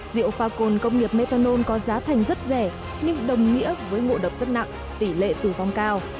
rượu pha cồn công nghiệp methanol có giá thành rất rẻ nhưng đồng nghĩa với ngộ độc rất nặng tỷ lệ tử vong cao